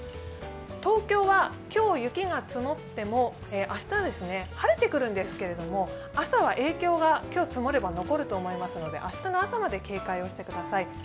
東京は今日雪が積もっても明日、晴れてくるんですけど、朝日影響が今日積もれば残ると思いますので、明日の朝まで警戒をしてください。